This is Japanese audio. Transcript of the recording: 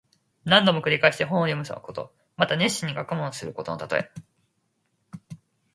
何度も繰り返して本を読むこと。また熱心に学問することのたとえ。